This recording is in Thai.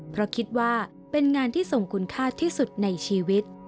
เพราะคิดว่าเป็นงานที่ส่งคุณค่าที่สุดในชีวิต